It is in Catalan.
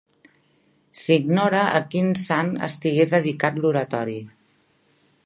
S'ignora a quin sant estigué dedicat l'oratori.